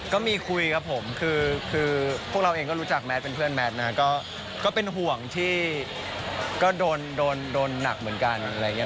ก็มีคุยครับผมคือพวกเราเองก็รู้จักแมทเป็นเพื่อนแมทนะก็เป็นห่วงที่ก็โดนหนักเหมือนกันอะไรอย่างนี้